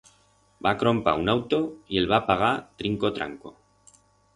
Va crompar un auto y el va pagar trinco-tranco.